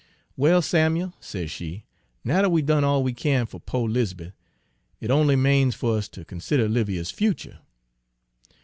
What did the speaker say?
"'Well, Samuel,' says she, 'now dat we've done all we can fer po' 'Liz'beth, it only 'mains fer us ter consider Olivia's future.'